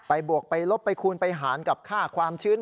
บวกไปลบไปคูณไปหารกับค่าความชื้น